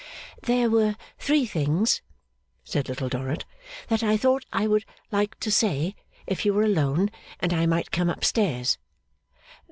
'There were three things,' said Little Dorrit, 'that I thought I would like to say, if you were alone and I might come up stairs.